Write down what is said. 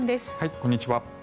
こんにちは。